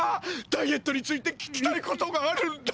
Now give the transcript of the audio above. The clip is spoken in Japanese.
ダイエットについて聞きたいことがあるんだ！